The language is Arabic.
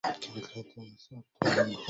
بملتقى لحظنا البرق الذي ومضا